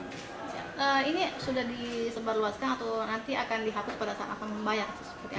ini sudah disebarluaskan atau nanti akan dihapus pada saat akan membayar seperti apa